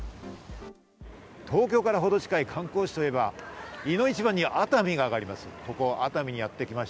東京からほど近い観光地といえば、いの一番に熱海になります。